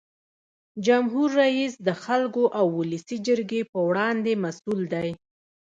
جمهور رئیس د خلکو او ولسي جرګې په وړاندې مسؤل دی.